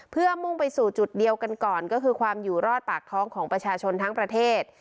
เพื่อมุ่งไปสู่จุดเดียวกันก่อนก็คือความอยู่รอดปากท้องของประชาชนทั้งประเทศ